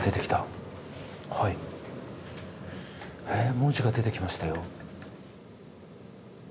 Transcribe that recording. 文字が出てきましたよ。